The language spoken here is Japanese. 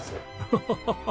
ハハハハ。